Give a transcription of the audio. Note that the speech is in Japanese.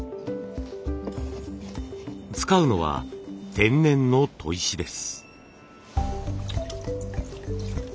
使うのは天然の砥石です。